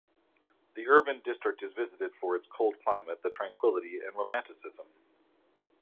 The urban district is visited for its cold climate, the tranquility and romanticism.